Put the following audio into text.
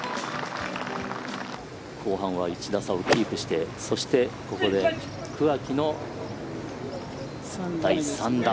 後半は１打差をキープしてそして、ここで桑木の第３打。